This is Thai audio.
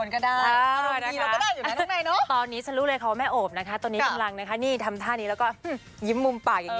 ความจริงผมรู้สึกว่าทุกคนมีเสน่ห์อยู่ในตัว